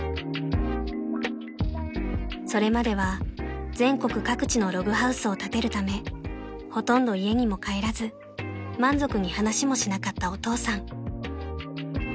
［それまでは全国各地のログハウスを建てるためほとんど家にも帰らず満足に話もしなかったお父さん］